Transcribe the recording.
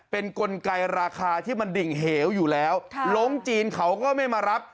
เป็นกลไกราคาที่มันดิ่งเหวอยู่แล้วลงจีนเขาก็ไม่มารับ